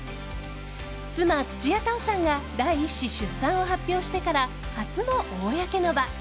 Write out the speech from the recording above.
妻・土屋太鳳さんが第１子出産を発表してから初の公の場。